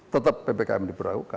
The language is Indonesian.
tetap ppkm diperlakukan